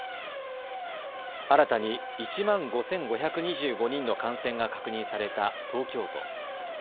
新たに１万５５２５人の感染が確認された東京都。